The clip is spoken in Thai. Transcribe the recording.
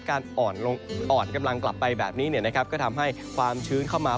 อ่อนกำลังกลับไปแบบนี้ก็ทำให้ความชื้นเข้ามา